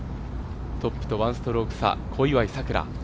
トップと１ストローク差、小祝さくら。